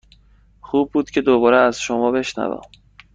خوب بود که دوباره از شما بشنوم.